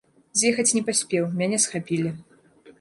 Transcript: З'ехаць не паспеў, мяне схапілі.